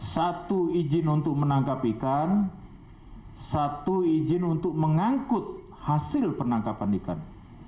satu izin untuk menangkap ikan satu izin untuk mengangkut hasil penangkapan ikan